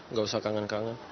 enggak usah kangen kangen